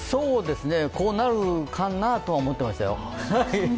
こうなるかなとは思ってましたよ。